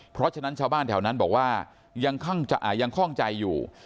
เพราะฉะนั้นชาวบ้านแถวนั้นบอกว่ายังคล่องใจอยู่